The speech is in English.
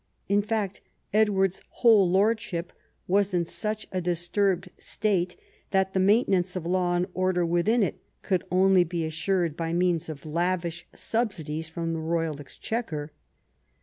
In fact, Edward's whole lordship was in such a disturbed state that the maintenance of law and order within it could only be assured by means of lavish subsidies from the roj'al Exchequer.